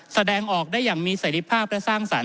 แสดงออกได้อย่างมีเสร็จภาพและสร้างสรรค